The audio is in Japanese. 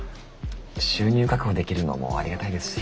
収入確保できるのもありがたいですし。